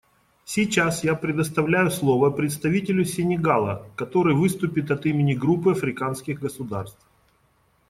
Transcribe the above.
Сейчас я предоставляю слово представителю Сенегала, который выступит от имени Группы африканских государств.